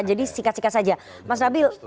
jadi sikat sikat saja mas nabil